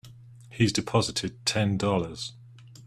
He's deposited Ten Dollars.